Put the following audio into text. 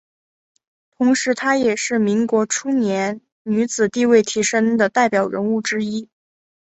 同时她也是民国初年女子地位提升的代表人物之一。